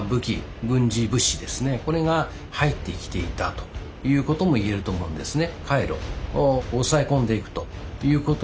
ということも言えると思うんですね。